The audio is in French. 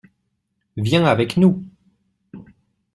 Viens avec nous.